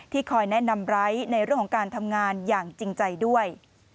คอยแนะนำไร้ในเรื่องของการทำงานอย่างจริงใจด้วย